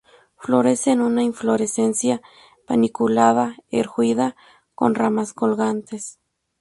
Florece en una inflorescencia paniculada erguida, con ramas colgantes.